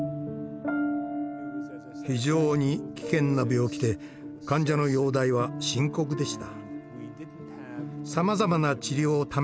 非常に危険な病気で患者の容体は深刻でした。